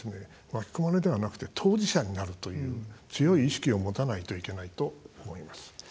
巻き込まれではなくて当事者になるという強い意識を持たないといけないと思います。